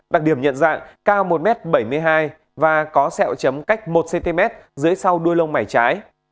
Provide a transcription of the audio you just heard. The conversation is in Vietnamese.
đặc điểm nhận dạng cao một m bảy mươi hai và có sẹo chấm cách một cm dưới sau đuôi lông mảy trái